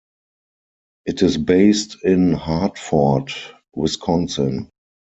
It is based in Hartford, Wisconsin.